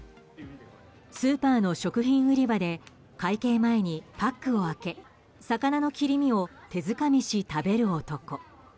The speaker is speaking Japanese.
スーパーの食品売り場で会計前にパックを開け魚の切り身を手づかみし食べる男。